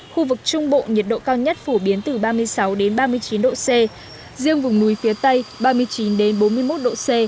khu vực trung bộ nhiệt độ cao nhất phổ biến từ ba mươi sáu ba mươi chín độ c riêng vùng núi phía tây ba mươi chín bốn mươi một độ c